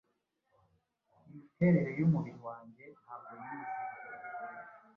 imiterere y'umubiri wanjye ntabwo nyizi